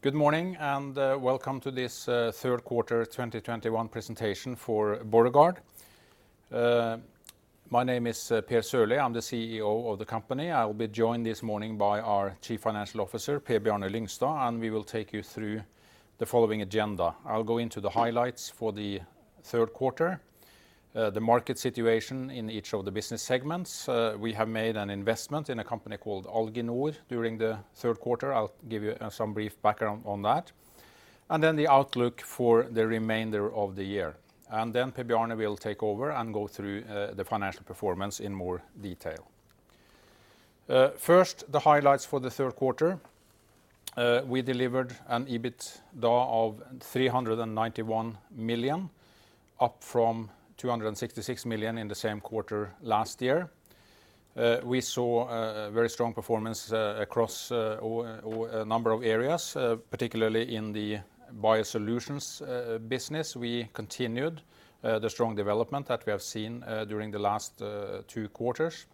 Good morning, welcome to this Q3 2021 presentation for Borregaard. My name is Per A. Sørlie. I'm the CEO of the company. I'll be joined this morning by our Chief Financial Officer, Per Bjarne Lyngstad, and we will take you through the following agenda. I'll go into the highlights for the Q3, the market situation in each of the business segments. We have made an investment in a company called Alginor during the Q3. I'll give you some brief background on that, and then the outlook for the remainder of the year. Then Per Bjarne will take over and go through the financial performance in more detail. First, the highlights for the Q3. We delivered an EBITDA of 391 million, up from 266 million in the same quarter last year. We saw very strong performance across a number of areas, particularly in the BioSolutions business. We continued the strong development that we have seen during the last two quarters.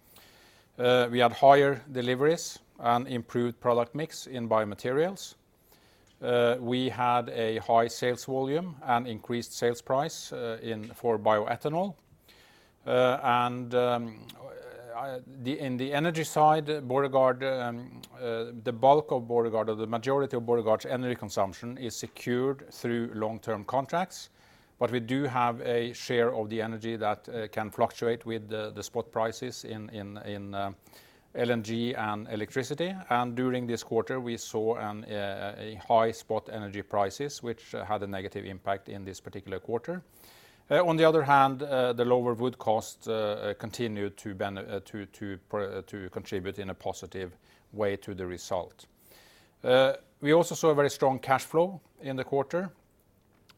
We had higher deliveries and improved product mix in BioMaterials. We had a high sales volume and increased sales price for bioethanol. In the energy side, the bulk of Borregaard, or the majority of Borregaard's energy consumption is secured through long-term contracts, but we do have a share of the energy that can fluctuate with the spot prices in LNG and electricity. During this quarter, we saw high-spot energy prices, which had a negative impact in this particular quarter. On the other hand, the lower wood cost continued to contribute in a positive way to the result. We also saw a very strong cash flow in the quarter,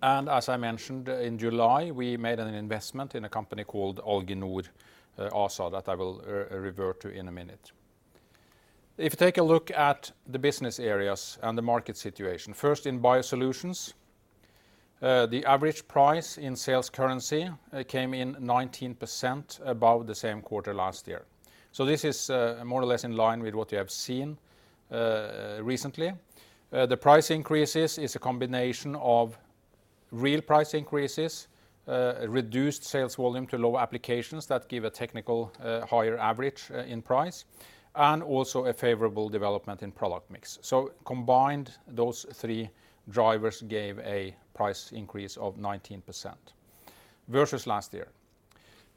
and as I mentioned, in July, we made an investment in a company called Alginor ASA that I will revert to in a minute. If you take a look at the business areas and the market situation, first in BioSolutions, the average price in sales currency came in 19% above the same quarter last year. This is more or less in line with what we have seen recently. The price increases is a combination of real price increases, reduced sales volume to low applications that give a technical higher average in price, and also a favorable development in product mix. Combined, those three drivers gave a price increase of 19% versus last year.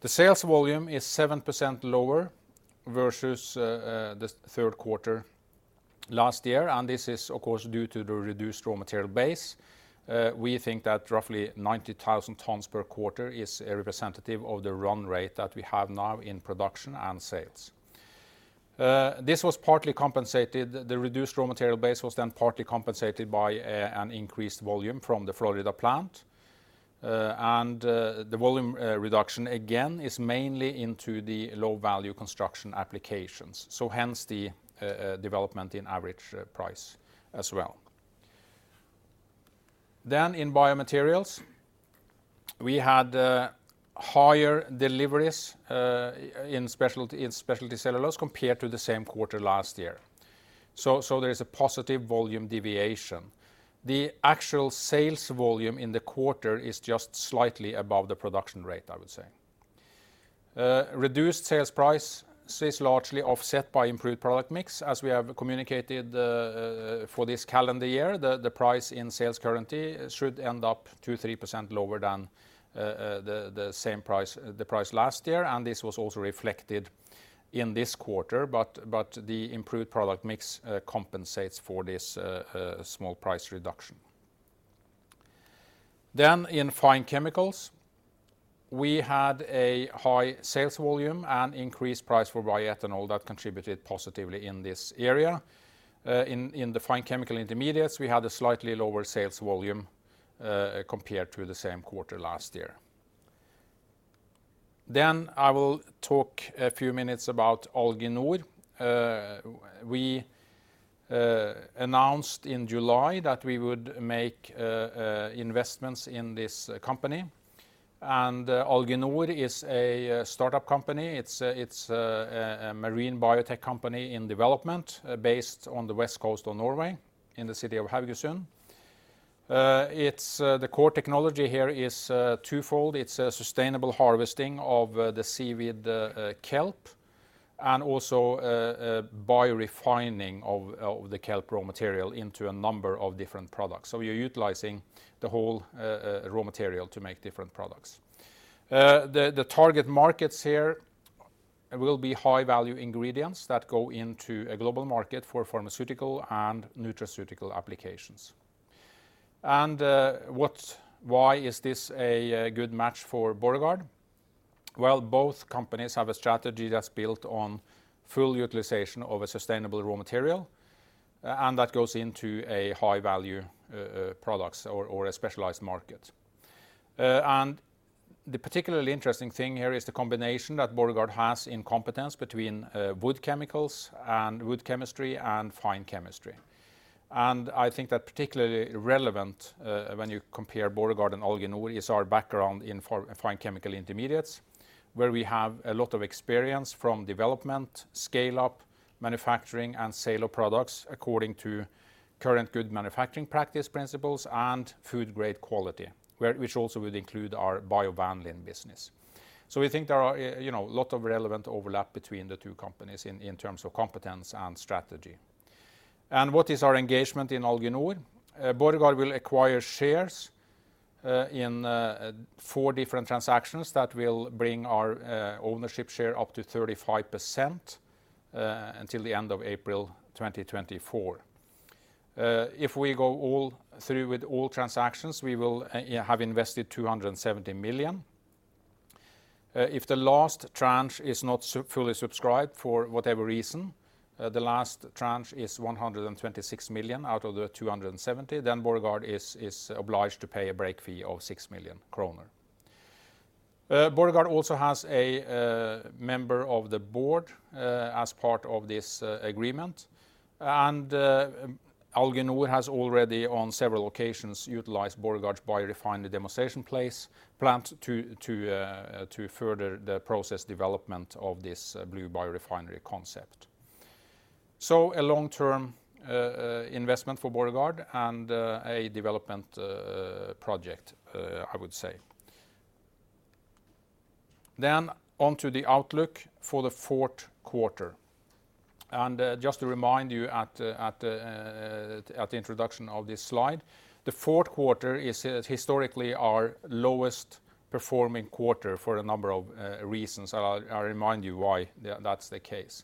The sales volume is 7% lower versus the Q3 last year, and this is, of course, due to the reduced raw material base. We think that roughly 90,000 tons per quarter is representative of the run rate that we have now in production and sales. The reduced raw material base was partly compensated by an increased volume from the Florida plant. The volume reduction again is mainly into the low-value construction applications, so hence the development in average price as well. In BioMaterials, we had higher deliveries in speciality cellulose compared to the same quarter last year. There is a positive volume deviation. The actual sales volume in the quarter is just slightly above the production rate, I would say. Reduced sales price is largely offset by improved product mix. As we have communicated for this calendar year, the price in sales currency should end up 2%-3% lower than the price last year, and this was also reflected in this quarter, but the improved product mix compensates for this small price reduction. In Fine Chemicals, we had a high sales volume and increased price for bioethanol that contributed positively in this area. In the Fine Chemical Intermediates, we had a slightly lower sales volume compared to the same quarter last year. I will talk a few minutes about Alginor. We announced in July that we would make investments in this company. Alginor is a startup company. It's a marine biotech company in development based on the west coast of Norway in the city of Haugesund. The core technology here is twofold. It's a sustainable harvesting of the seaweed kelp and also biorefining of the kelp raw material into a number of different products. You're utilizing the whole raw material to make different products. The target markets here will be high-value ingredients that go into a global market for pharmaceutical and nutraceutical applications. Why is this a good match for Borregaard? Well, both companies have a strategy that's built on full utilization of a sustainable raw material, and that goes into a high-value products or a specialized market. The particularly interesting thing here is the combination that Borregaard has in competence between wood chemicals and wood chemistry and fine chemistry. I think that particularly relevant when you compare Borregaard and Alginor is our background in Fine Chemical Intermediates, where we have a lot of experience from development, scale-up, manufacturing, and sale of products according to Current Good Manufacturing Practice principles and food grade quality, which also would include our biovanillin business. We think there are a lot of relevant overlap between the two companies in terms of competence and strategy. What is our engagement in Alginor? Borregaard will acquire shares in four different transactions that will bring our ownership share up to 35% until the end of April 2024. If we go all through with all transactions, we will have invested 270 million. If the last tranche is not fully subscribed for whatever reason, the last tranche is 126 million out of the 270, Borregaard is obliged to pay a break fee of 6 million kroner. Borregaard also has a member of the board as part of this agreement, Alginor has already, on several occasions, utilized Borregaard's biorefinery demonstration plant to further the process development of this blue biorefinery concept. A long-term investment for Borregaard and a development project, I would say. On to the outlook for the Q4. Just to remind you at the introduction of this slide, the Q4 is historically our lowest performing quarter for a number of reasons, and I'll remind you why that's the case.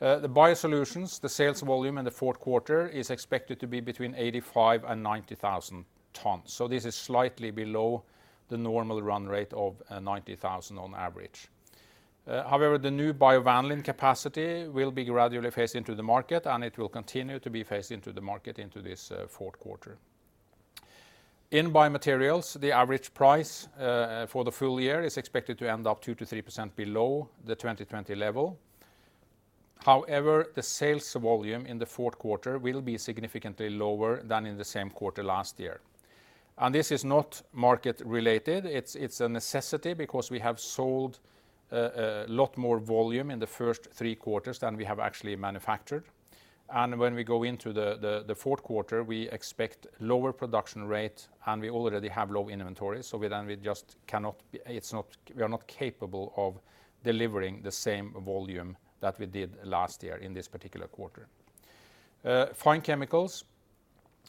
BioSolutions, the sales volume in the Q4 is expected to be between 85,000-90,000 tons. This is slightly below the normal run rate of 90,000 on average. However, the new Biovanillin capacity will be gradually phased into the market, and it will continue to be phased into the market into this Q4. In BioMaterials, the average price for the full-year is expected to end up 2%-3% below the 2020 level. However, the sales volume in the Q4 will be significantly lower than in the same quarter last year. This is not market related. It's a necessity because we have sold a lot more volume in the first three quarters than we have actually manufactured. When we go into the Q4, we expect lower production rate, and we already have low inventory, so we are not capable of delivering the same volume that we did last year in this particular quarter. Fine Chemicals,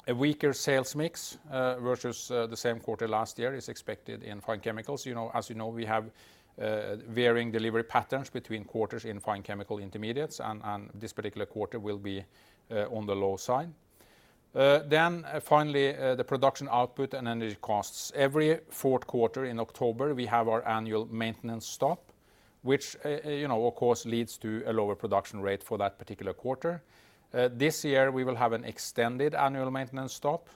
a weaker sales mix versus the same quarter last year is expected in Fine Chemicals. As you know, we have varying delivery patterns between quarters in Fine Chemical Intermediates, and this particular quarter will be on the low side. Finally, the production output and energy costs. Every Q4 in October, we have our annual maintenance stop, which of course, leads to a lower production rate for that particular quarter. This year, we will have an extended annual maintenance stop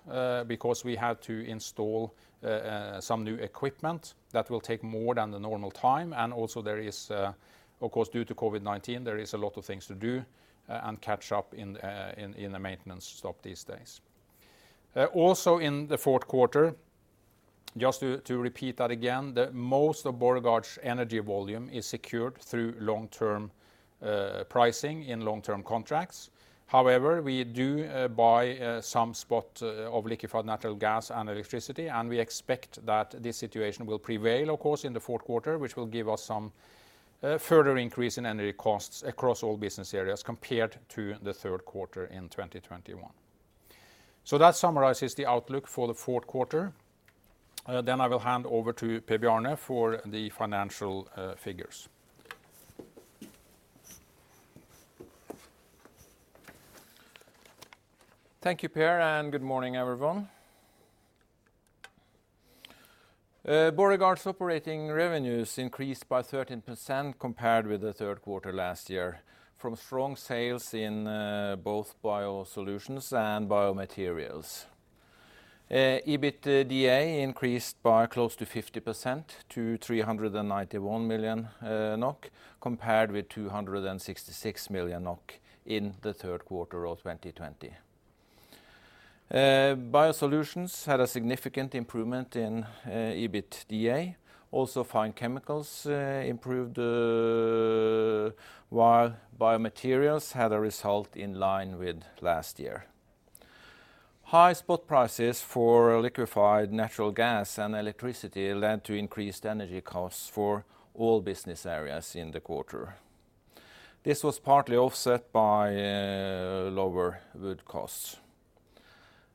because we had to install some new equipment that will take more than the normal time. Also there is, of course, due to COVID-19, there is a lot of things to do and catch up in the maintenance stop these days. Also in the Q4, just to repeat that again, that most of Borregaard's energy volume is secured through long-term pricing in long-term contracts. However, we do buy some spot of liquefied natural gas and electricity, and we expect that this situation will prevail, of course, in the Q4, which will give us some further increase in energy costs across all business areas compared to the Q3 in 2021. That summarizes the outlook for the Q4. I will hand over to Per Bjarne for the financial figures. Thank you, Per, good morning, everyone. Borregaard's operating revenues increased by 13% compared with the Q3 last year from strong sales in both BioSolutions and BioMaterials. EBITDA increased by close to 50% to 391 million NOK, compared with 266 million NOK in the Q3 of 2020. BioSolutions had a significant improvement in EBITDA. Fine Chemicals improved, while BioMaterials had a result in line with last year. High spot prices for liquefied natural gas and electricity led to increased energy costs for all business areas in the quarter. This was partly offset by lower wood costs.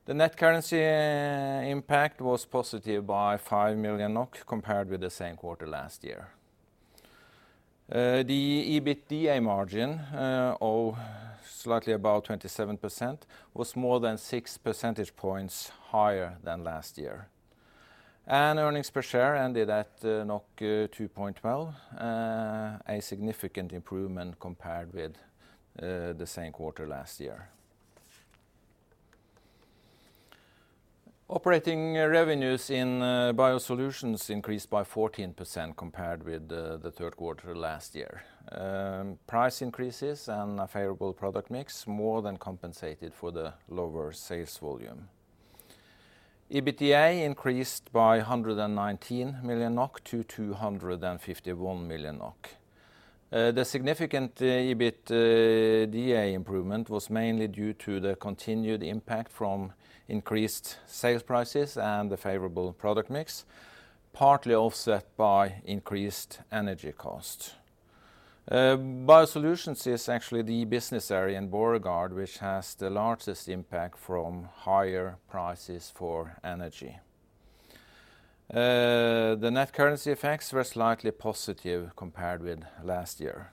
The net currency impact was positive by 5 million NOK compared with the same quarter last year. The EBITDA margin of slightly above 27% was more than 6 percentage points higher than last year. Earnings per share ended at 2.12, a significant improvement compared with the same quarter last year. Operating revenues in BioSolutions increased by 14% compared with the Q3 last year. Price increases and a favorable product mix more than compensated for the lower sales volume. EBITDA increased by 119 million NOK to 251 million NOK. The significant EBITDA improvement was mainly due to the continued impact from increased sales prices and the favorable product mix, partly offset by increased energy costs. BioSolutions is actually the business area in Borregaard, which has the largest impact from higher prices for energy. The net currency effects were slightly positive compared with last year.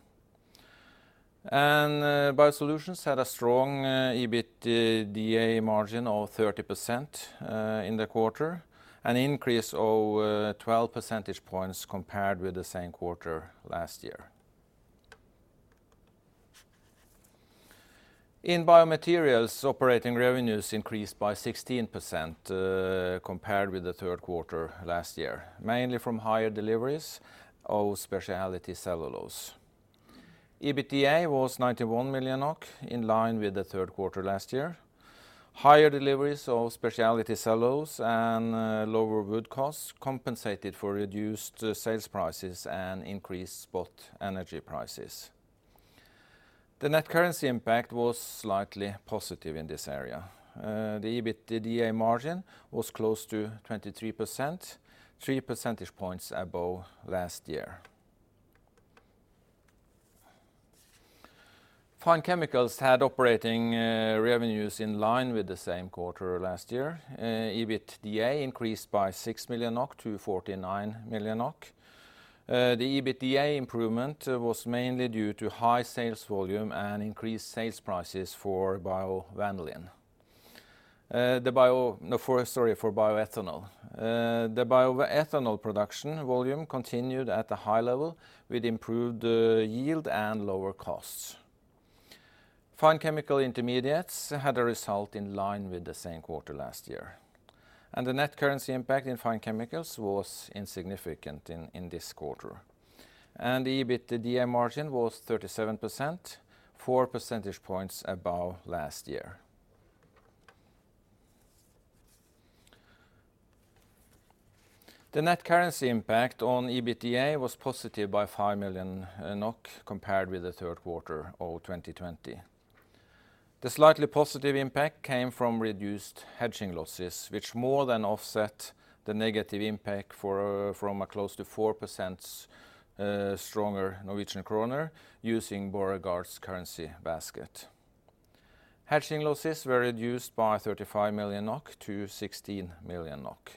BioSolutions had a strong EBITDA margin of 30% in the quarter, an increase of 12 percentage points compared with the same quarter last year. In BioMaterials, operating revenues increased by 16% compared with the Q3 last year, mainly from higher deliveries of speciality cellulose. EBITDA was 91 million, in line with the Q3 last year. Higher deliveries of speciality cellulose and lower wood costs compensated for reduced sales prices and increased spot energy prices. The net currency impact was slightly positive in this area. The EBITDA margin was close to 23%, 3 percentage points above last year. Fine Chemicals had operating revenues in line with the same quarter last year. EBITDA increased by 6 million NOK to 49 million NOK. The EBITDA improvement was mainly due to high sales volume and increased sales prices for bioethanol. The bioethanol production volume continued at a high level, with improved yield and lower costs. Fine Chemical Intermediates had a result in line with the same quarter last year. The net currency impact in Fine Chemicals was insignificant in this quarter. The EBITDA margin was 37%, 4 percentage points above last year. The net currency impact on EBITDA was positive by 5 million NOK compared with the Q3 of 2020. The slightly positive impact came from reduced hedging losses, which more than offset the negative impact from a close to 4% stronger Norwegian kroner using Borregaard's currency basket. Hedging losses were reduced by 35 million NOK to 16 million NOK.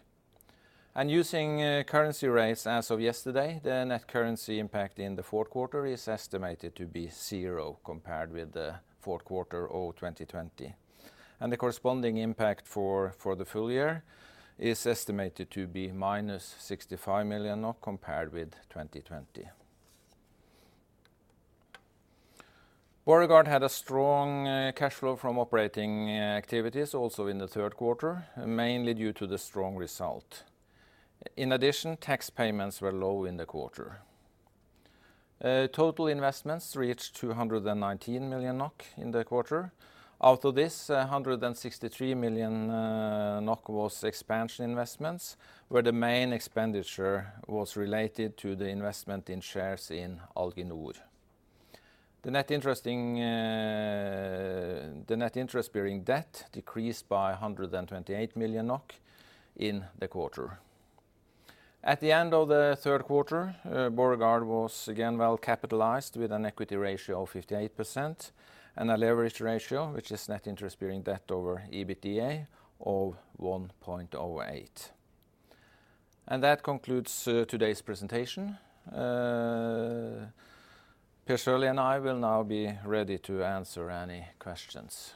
Using currency rates as of yesterday, the net currency impact in the Q4 is estimated to be zero compared with the Q4 of 2020. The corresponding impact for the full year is estimated to be minus 65 million compared with 2020. Borregaard had a strong cash flow from operating activities also in the Q3, mainly due to the strong result. In addition, tax payments were low in the quarter. Total investments reached 219 million NOK in the quarter. Out of this, 163 million NOK was expansion investments, where the main expenditure was related to the investment in shares in Alginor. The net interest-bearing debt decreased by 128 million NOK in the quarter. At the end of the Q3, Borregaard was again well capitalized with an equity ratio of 58% and a leverage ratio, which is net interest-bearing debt over EBITDA, of 1.08. That concludes today's presentation. Per A. Sørlie and I will now be ready to answer any questions.